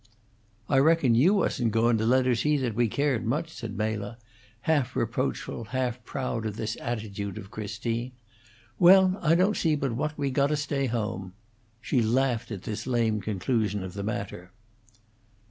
"I reckon you wasn't goun' to let her see that we cared much," said Mela, half reproachful, half proud of this attitude of Christine. "Well, I don't see but what we got to stay at home." She laughed at this lame conclusion of the matter.